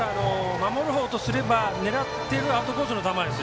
守るほうとすれば狙っているアウトコースの球。